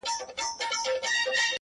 تاریخي کرنه په شمال کې غوره وه.